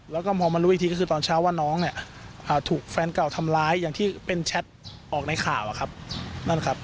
แล้วก็มองมารู้อีกทีก็คือตอนเช้าว่าน้องเนี่ยถูกแฟนเก่าทำร้ายอย่างที่เป็นแชทออกในข่าวอะครับนั่นครับ